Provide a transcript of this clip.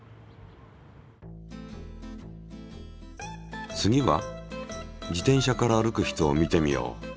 次は自転車から歩く人を見てみよう。